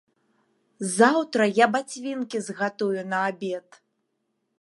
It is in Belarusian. Заўтра я бацвінкі згатую на абед.